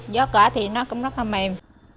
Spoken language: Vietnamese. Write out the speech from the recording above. gió cỏ thì nó cũng rất là mềm